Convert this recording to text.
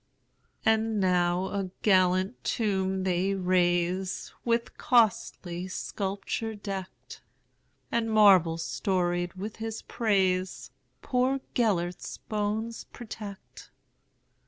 And now a gallant tomb they raise, With costly sculpture decked; And marbles storied with his praisePoor Gêlert's bones protect.